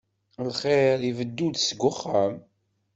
Lxir ibeddu-d seg uxxam.